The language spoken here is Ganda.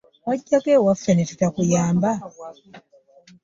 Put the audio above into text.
Wajjako ewaffe ne tutakuyamba?